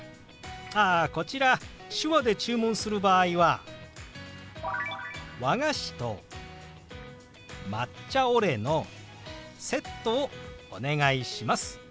ああこちら手話で注文する場合は「和菓子と抹茶オレのセットをお願いします」と表します。